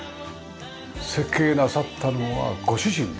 設計なさったのはご主人です。